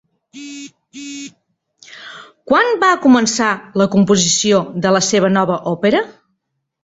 Quan va començar la composició de la seva nova òpera?